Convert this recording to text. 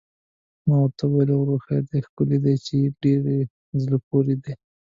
ما ورته وویل: وریښتان دې ښکلي دي، چې ډېر په زړه پورې دي.